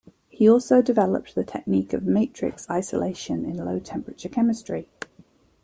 He also developed the technique of matrix isolation in low-temperature chemistry.